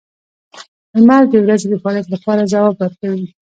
• لمر د ورځې د فعالیت لپاره ځواب ورکوي.